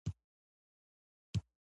چې تیمور د سعد وقاص په نوم زوی نه درلود.